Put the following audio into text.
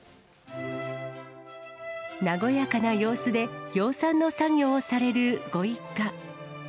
和やかな様子で、養蚕の作業をされるご一家。